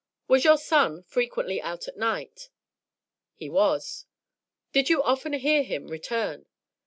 Was your son frequently out at night?" "He was." "Did you often hear him return?"